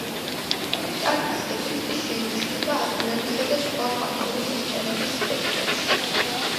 შტარკის ეფექტი შეინიშნება ატომებისა და სხვა კვანტური სისტემების სპექტრებში.